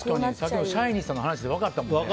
シャイニーさんの話で分かったもんね。